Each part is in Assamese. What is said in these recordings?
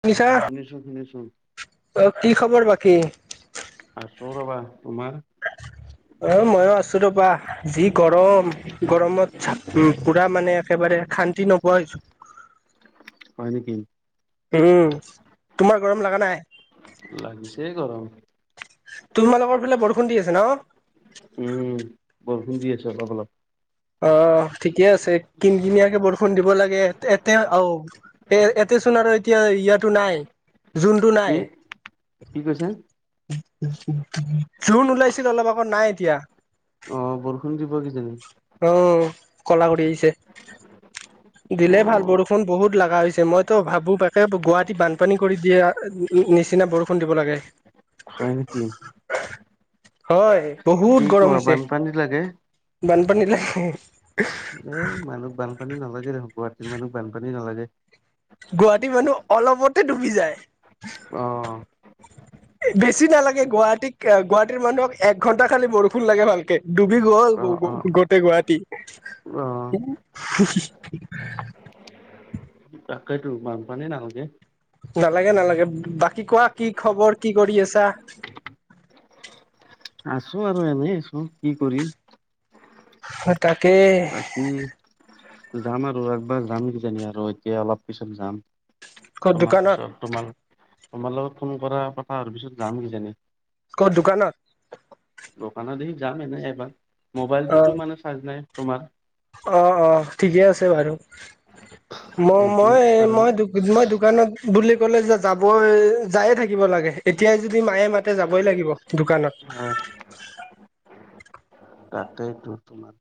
শুনিছা, শুনিছো শুনিছো অ' কি খবৰ বাকি? আছোঁ ৰবা। তোমাৰ? অ, মইও আছো ৰবা যি গৰম, গৰমত উ পুৰা মানে একেবাৰে শান্তি নোপোৱা হৈছো। হয় নেকি উম তোমাৰ গৰম লগা নাই লাগিছে গৰম তোমালোকৰ ফালে বৰষুণ দি আছে ন'? উম বৰষুন্দি আছে অলপ অলপ অহ, ঠিকে আছে। কিন-কিনীয়াকে বৰ- ফোন দিব লাগে। এতে আহ এ এতে চোন আৰু এতিয়া ইয়াতটো নাই। জোনটো নাই। এ কি কৈছে জোন ওলাইছিল অলপ আগত নাই এতিয়া। অ' বৰষুণ দি- অহ! কলা কৰি আহিছে। অ দিলেই ভাল বৰষুণ বহুত লাগা হৈছে মইতো ভাবো তাকে গুৱাহাটীত বানপানী কৰি দিয়ে আ- নিচিনা বৰষুণ দিব লাগে। হয় নেকি হয় কি বহুত গৰম কোৱা হৈছে। বানপানী লাগে বানপানী লাগে। এই মানুহ বানপানী নালাগে দেখুন। গুৱাহাটীৰ মানুহক বানপানী নালাগে। গুৱাহাটী মানুহ অলপতে ডুবি যায়। অ [unintelligible] বেছি নালাগে গুৱাহাটীতক, গুৱাহাটীৰ মানুহক এক ঘন্টা খালি বৰষুণ লাগে ভালকে ডুবি গ'ল অ গো, গো, অ গোটেই গুৱাহাটী। অ তাকেইতো বানপানী নালাগে। নালাগে-নালাগে বাকী কোৱা কি খবৰ কি কৰি আছা? আছো আৰু এনেই আছো। কি কৰিম? তাকে বাকী যাম আৰু একবাৰ যাম নে কিজানি আৰু এতিয়া অলপ পিছত যাম। ক'ত তোমাৰ দোকানত পিছত তোমাৰ, তোমাৰ লগত ফোন কৰা কথা হোৱাৰ পিছত যাম কিজানি। ক'ত দোকানত? দোকানৰ দিগে যাম এনে এবাৰ, অ মোবাইলটোতো মানে চাৰ্জ নাই তোমাৰ। অ অ ঠিকেই আছে বাৰু। ম এইটো মই কাৰণে। মই মই দোকানত বুলি কলে যে যাবই যায়ে থাকিব লাগে এতিয়াই যদি মায়ে মাতে যাবই লাগিব দোকানত হয়। তাতেইতো তোমাৰ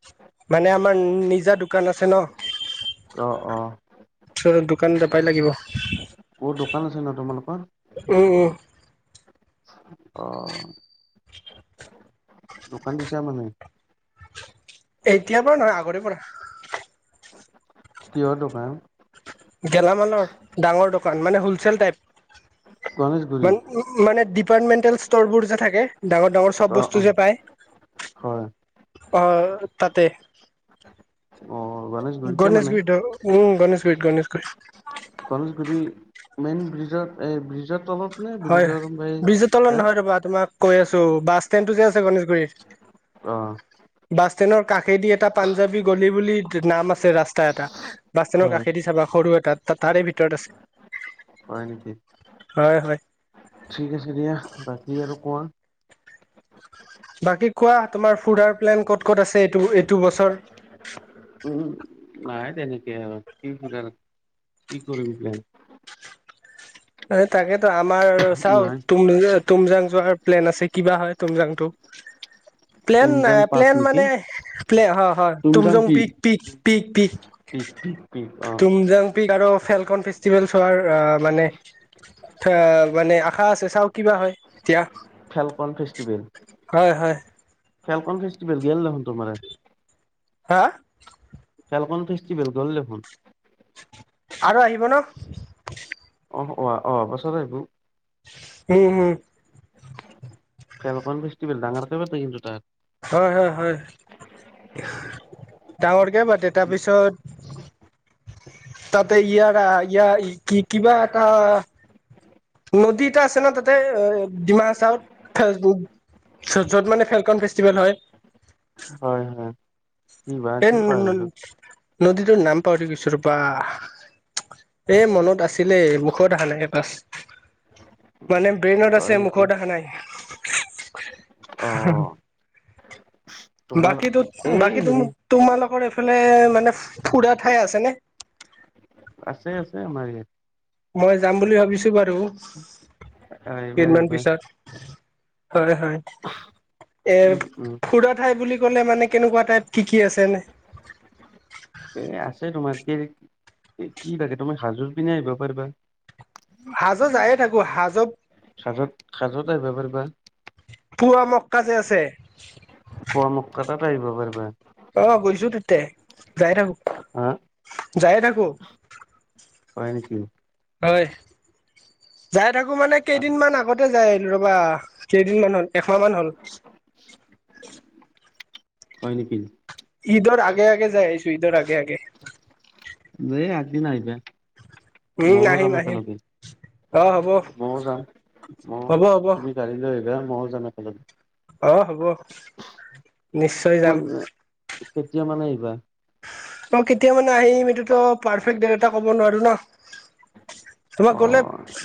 মানে আমাৰ নিজা দোকান আছে ন'। অহ অহ। ত দোকানতে পাই লাগিব ক'ত দোকান আছে ন' তোমালোকৰ? উম উম অহ! দোকান দিশা মানে এতিয়াৰ পৰা নহয় আগৰে পৰা কিহৰ দোকান গেলামালৰ ডাঙৰ দোকান মানে হলচেল টাইপ গণেশগুৰিত মান মানে ডপাৰ্টমেন্টেল ষ্টৰবোৰ যে থাকে ডাঙৰ ডাঙৰ চব অ অ বস্তু যে পায় হয় আহ তাতে অ গণেশগুৰিতে গণেশ মানে বিীঠ উম গণেশ পীঠ গণেশ গ কলেজ গু মেইন ব্ৰিজত এই ব্ৰিজত অলপ হয় বজু তলত নহয় ৰ'বা তোমাক কৈ আছো বাছ ষ্টেণ্ড টো যে আছে গণেশগুৰি অ বাছষ্টেণ্ডৰ কাষেদি এটা পাঞ্জাৱী গলি বুলি নাম আছে ৰাস্তা এটা বাছ ষ্টেণ্ডৰ হয় কাষেদি চাব সৰু এটা তাৰে ভিতৰত আছে হয় নেকি হয়, হয়। ঠিক আছে দিয়া বাকী আৰু কোৱা বাকী কোৱা তোমাৰ ফুডাৰ প্লেন ক'ত ক'ত আছে এইটো এইটো বছৰ উম নাহাই তেনেকে আৰু কিাৰ কি কৰি এই তাকেতো আমাৰ চাও নাই তুম তুমজাং যোৱাৰ প্লেন আছে কিবা হয় তুমজাংটো প্লেন তুমজাং পাৰ্ক প্লেন নেকি মানে প্লে হা হা তুম যং পক পক পীক পী ঠিক ঠিক ঠিক অ আৰু ফেলকন ফেষ্টিভেলছ হোৱাৰ মানে এ মানে আশা আছে চাও কিবা হয় এতিয়া ফেলকন ফেষ্টিভেল হয় হয় ফেলকন ফেষ্টিভেল গেল দেখোন তোমাৰ হা ফেলকন ফেষ্টিভেল গল লখোন আৰু আহিব ন অ অ অ পাছত আহবু উম হম কেল ফেষ্টিভেল ডাঙৰা প কিন্তু তাৰ হয় হয় হয় ডাঙৰকে পাতে তাৰপিছত তাতে ইয়াৰ ইয়াৰ কি কিবা এটা নদী এটা আছে ন তাতে এ ডিমা হ চাওত য'ত মানে ফেলকন ফেষ্টিভেল হয় হয় হয় কি বা এই আছিল পাহৰিলো নদীতটো নাম পাৰি কিছ ৰপা এ মনত আছিলে মুখত হানাইে পছ মানে ব্ৰেইনত হয় আছে নেকি মুখত আহা নাই। অ [unintelligible] তোমাৰ বাকীো এই বাকী তো হেৰি তোমালোকৰ এইফালে মানে ফুৰা ঠাই আছে ন আছে আছে আমাৰ ইয়াত মই যাম বুলি ভাবিছো বাৰু আহ আহিব কেইদিনমান আহিব পিছত হয় হয় এৰ উম উম খুৰাা ঠাই বুলি ক'লে মানে কেনেকুৱা টাইপ কি কি আছেনে [inaudible] আছে তোমাৰ কি, কি লাগে তোমাৰ সাজোৰ পিন্ধিয়েই আহিব পাৰিবা। হাজত যায়ে থাকোঁ, হাজত সাজত, সাজত আহিব পাৰিবা। পোৱামক্কা যে আছে পুৱা মোক কেটাত আহিব পাৰিবা? অ' গৈছোঁ তেতে, যাই থাকোঁ, হা যায়ে থাকোঁ। হয় নেকি। হয়। যাই থাকোঁ মানে, কেইদিনমান আগতে যাই আহিলোঁ ৰ'বা, কেইদিনমান হ'ল একমাহ মান হ'ল। [inaudible] হয় নেকি। ঈদৰ আগে আগে যাই আহিছোঁ, ঈদৰ আগে আগে এ আগদিন আহিবা, উম ময়ো আহিম যাম আহিম একেলগে। অ হ'ব। ময়ো যাম, মইও হ'ব হ'ব তুমি গাড়ী লৈ আহিবা ময়ো যাম একেলগে অ' হ'ব, নিশ্চয় যাম। কোন কেতিয়া মানে আহিবা? অ, কেতিয়া মানে আহিম এইটোতো পাৰফেক্ট ডেট এটা ক'ব নোৱাৰোঁ ন। তোমাক অ গলে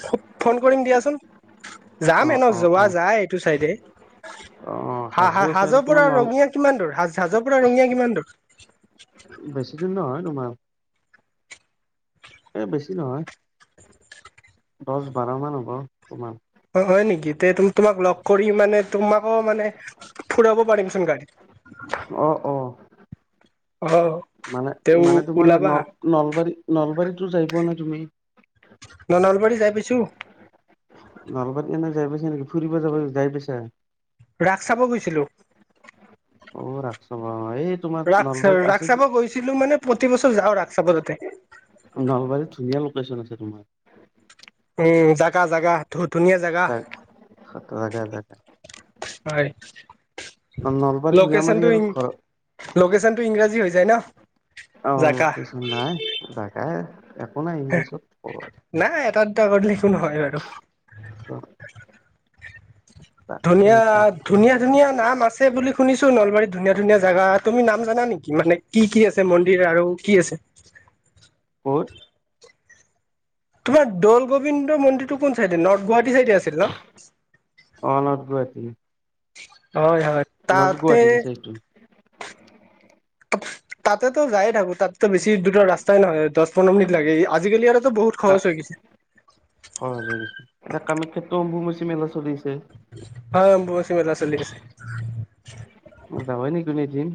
খু ফোন কৰিম দিয়াচোন অ যামে ন অ যোৱা অ যায় এইটো চাইডে অ হা সাজু হা আছে আৰু হাজোৰ পৰা তোমাৰ নল ৰঙিয়া কিমান দূৰ, হা হাজোৰ পৰা ৰঙিয়া কিমান দূৰ? বেছি দিন নহয় তোমাৰ এই বেছি নহয় দহ বাৰ মান হ'ব, অকমান অ হয় নেকি এ তোমাক লগ কৰি মানে তোমাকো মানে ফুৰাব পাৰিমচোন গাড়ী অ' অ'। অ'। মানে তেও মানে তোমাৰ ওলাবা ন নলবাৰীত, নলবাৰীতো যাই পোৱা নাই তুমি? ন নলবাৰী যাই পাইছোঁ। নলবাতী এনে যাই পাইছা নেকি ফুৰিব যাব যাই পাইছা ৰাস চাব গৈছিলো ৰাখছ বা ৰাস চা ৰাস চাব গৈছিলোঁ মানে, প্ৰতি বছৰ যাওঁ ৰাস চাব তাতে নলবাৰীত ধুনীয়া লোকেশ্যন আছে, তোমাৰ উম জাগা-জাগা, ধোত [unintelligible] হয়, নলবাৰী গুৰিয়ামাৰি লোকেচনটো আৰু ইন, ঘৰ লোকেচনটো ইংৰা যি হৈ যায় ন। অ' জাগা কৈচোন নাই জাগাই একো নাই ইংলিছত টা কৰিলে একো নহয় বাৰু অ'। ধুনীয়া, ধুনীয়া ধুনীয়া নাম আছে বুলি শুনিছো নলবাৰীত ধুনীয়া ধুনীয়া জেগা, তুমি নাম জানা নেকি মানে, কি কি আছে মন্দিৰ আৰু কি আছে? হয়। তোমাৰ দৌল গোবিন্দ মন্দিৰটো কোন চাইডে, নৰ্থ গুৱাহাটী চাইডে আছিল ন? অনত গৈ হয় হয়। নৰ্থ তাতে গুৱাহাটীত আছে এইটো [inaudible] তাতেতো যায়ে থাকো তাতেো বেছি দূ ৰাস্তাই নহয় দহ পোন্ধৰ মিনিট লাগে আজিকালি আৰুো বহুত খৰচ হৈ গৈছে। সছে এতিয়া কামাখ্যে অম্বুবাচী মেলা চলি আছে। অ বচিমল্ল চলি আছে। মা হয় ন কনেই দিন,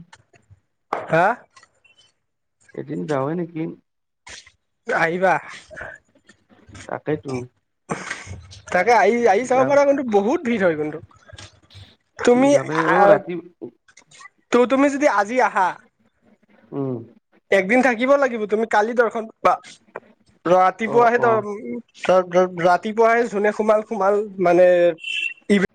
হা! এদিন যাৱ নেকি? আহিবা। তাকেইতো, তাকে আহি আহি চাব যাম পৰাাৰ কিন্তু বহুত ভিৰ হয় কিন্তু, কি তুমি হলে অ আহ ৰাতি তুমি যদি আজি আহা, উম! একদিন থাকিব লাগিব তুমি কালি দৰ্শনা, অ ৰাতিপুৱাহে অ ত ৰাতিপুৱাহে যোনে সোমাল সোমাল মানে, এইব